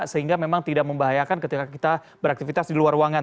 sehingga memang tidak membahayakan ketika kita beraktivitas di luar ruangan